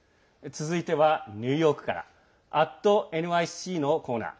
続いてはニューヨークから「＠ｎｙｃ」のコーナー。